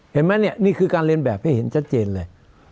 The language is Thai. เห็นไหมเนี่ยนี่คือการเรียนแบบให้เห็นชัดเจนเลย